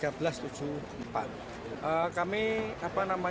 segera dimintakan penggantian